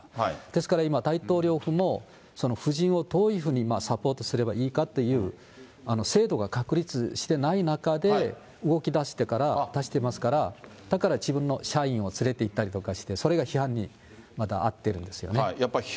ですから今、大統領府もその夫人をどういうふうにサポートすればいいかっていう、制度が確立してない中で、動きだしてから出してますから、だから自分の社員を連れていったりとかして、それが批判にまたあってるんですよね。